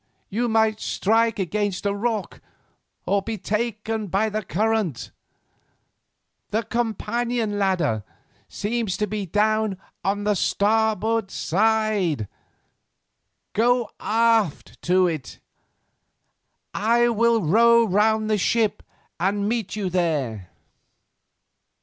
You might strike against a rock or be taken by the current. The companion ladder seems to be down on the starboard side. Go aft to it, I will row round the ship and meet you there."